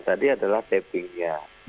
tadi adalah tappingnya